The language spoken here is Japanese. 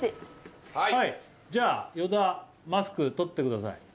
じゃあ与田マスクとってください。